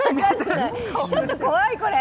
ちょっと怖い、これ。